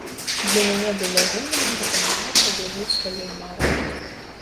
Для мяне было гонарам дапамагаць табе жыць сваёй марай.